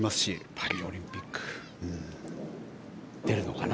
パリオリンピック出るのかな？